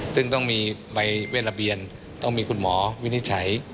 ซึ่งต้องมีใบเวทระเบียนต้องมีคุณหมอวินิจฉัย